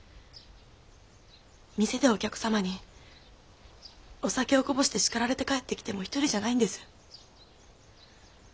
店でお客様にお酒をこぼしてしかられて帰ってきても独りじゃないんです。